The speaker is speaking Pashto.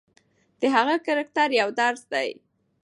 د هغه کرکټر یو درس دی.